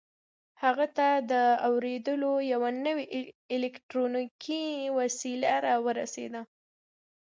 هغه ته د اورېدلو یوه نوې الکټرونیکي وسیله را ورسېده